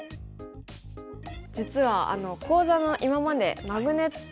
実は講座の今までマグネット